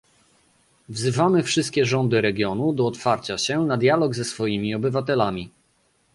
Wzywamy wszystkie rządy regionu do otwarcia się na dialog ze swoimi obywatelami